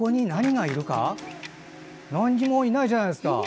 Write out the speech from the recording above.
何もいないじゃないですか。